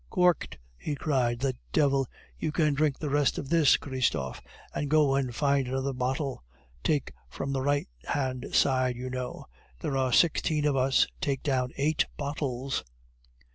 "Corked!" he cried. "The devil! You can drink the rest of this, Christophe, and go and find another bottle; take from the right hand side, you know. There are sixteen of us; take down eight bottles."